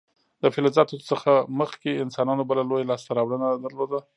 د فلزاتو څخه مخکې انسانانو بله لویه لاسته راوړنه درلوده.